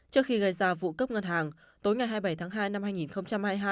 trước khi gây ra vụ cướp ngân hàng tối ngày hai mươi bảy tháng hai năm hai nghìn hai mươi hai